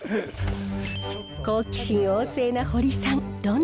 好奇心旺盛な堀さん